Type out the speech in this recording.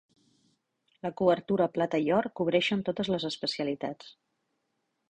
La cobertura Plata i Or cobreixen totes les especialitats.